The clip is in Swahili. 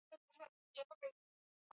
Alexa ni kifaa kizuri sana